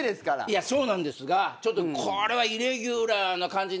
いやそうなんですがちょっとこれはイレギュラーな感じになると思いますよ